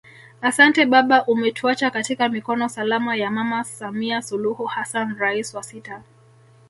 Asante baba umetuacha katika mikono salama ya Mama Samia Suluhu Hassan Rais wa sita